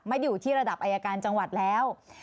อยู่ที่ระดับอายการจังหวัดแล้ว